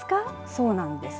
そうなんです。